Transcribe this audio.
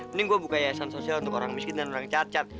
mending gue buka yayasan sosial untuk orang miskin dan orang cacat